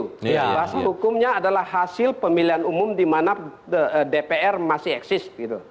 bahasa hukumnya adalah hasil pemilihan umum di mana dpr masih eksis